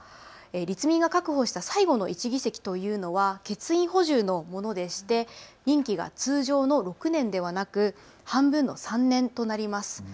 立民が確保した最後の１議席というのは欠員補充のものでして任期が通常の６年ではなく半分の３年となります。